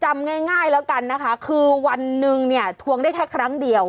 จำง่ายแล้วกันนะคะคือวันหนึ่งเนี่ยทวงได้แค่ครั้งเดียว